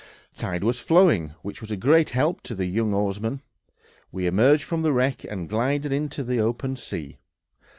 The tide was flowing, which was a great help to the young oarsmen. We emerged from the wreck and glided into the open sea.